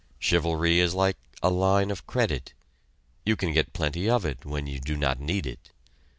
Chivalry is like a line of credit. You can get plenty of it when you do not need it.